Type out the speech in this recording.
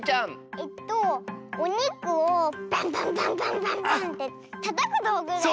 えっとおにくをバンバンバンバンバンバンってたたくどうぐだよね？